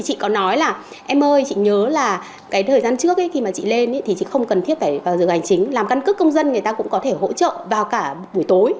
chị có nói là em ơi chị nhớ là cái thời gian trước khi mà chị lên thì chị không cần thiết phải vào giờ hành chính làm căn cước công dân người ta cũng có thể hỗ trợ vào cả buổi tối